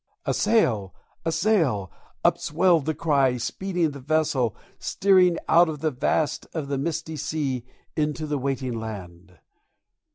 A sail! a sail! upswelled the cry, speeding the vessel steering Out of the vast of the misty sea in to the waiting land.